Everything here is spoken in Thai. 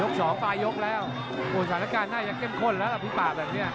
ยก๒ปลายยกแล้วสถานการณ์หน้ายังเข้มข้นแล้วอภิปราบแบบเนี้ย